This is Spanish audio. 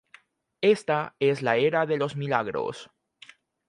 Ésta es la Era de los Milagros".